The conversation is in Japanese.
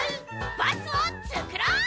バスをつくろう！